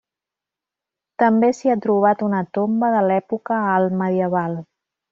També s'hi ha trobat una tomba de l'època alt-medieval.